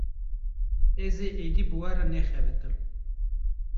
Ez ê êdî bi we re nexebitim.